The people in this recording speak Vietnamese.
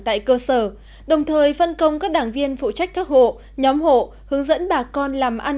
tại cơ sở đồng thời phân công các đảng viên phụ trách các hộ nhóm hộ hướng dẫn bà con làm ăn